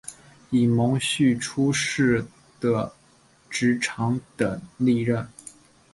以荫叙出仕的直长等历任。